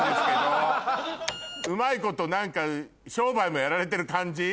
うまいこと何か商売もやられてる感じ？